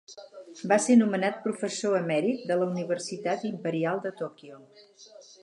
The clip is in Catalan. Va ser nomenat professor emèrit de la Universitat Imperial de Tòquio.